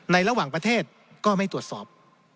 ระหว่างประเทศก็ไม่ตรวจสอบ